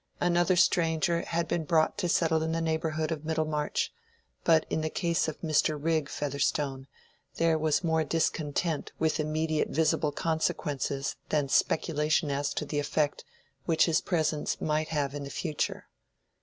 Another stranger had been brought to settle in the neighborhood of Middlemarch, but in the case of Mr. Rigg Featherstone there was more discontent with immediate visible consequences than speculation as to the effect which his presence might have in the future.